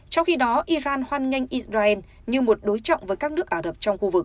trong khi đó iran hoan nghênh israel như một đối trọng với các nước ả rập trong khu vực